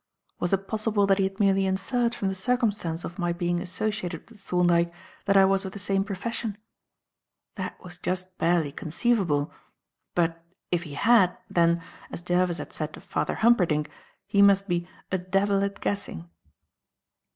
Was it possible that he had merely inferred from the circumstance of my being associated with Thorndyke that I was of the same profession? That was just barely conceivable; but, if he had, then, as Jervis had said of Father Humperdinck, he must be "a devil at guessing."